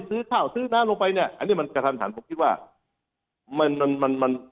คือในจริงตอนนั้น